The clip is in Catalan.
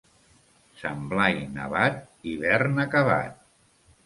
Sant Blai nevat, hivern acabat.